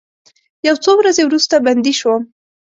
یو څو ورځې وروسته بندي شوم.